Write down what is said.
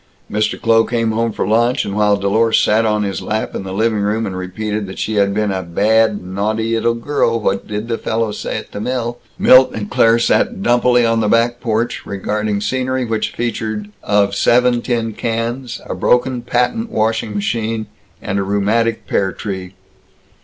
Mr. Kloh came home for lunch, and while Dlorus sat on his lap in the living room, and repeated that she had been a "bad, naughty, 'ittle dirl what did the fellows say at the mill?" Milt and Claire sat dumpily on the back porch, regarding scenery which featured of seven tin cans, a broken patent washing machine, and a rheumatic pear tree.